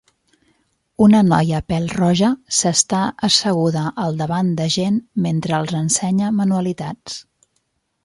Una noia pèl-roja s'està asseguda al davant de gent mentre els ensenya manualitats.